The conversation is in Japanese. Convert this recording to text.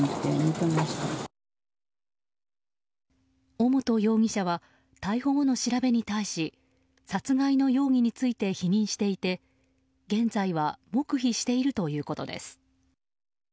尾本容疑者は逮捕後の調べに対し殺害の容疑について否認していて現在は黙秘しているということです。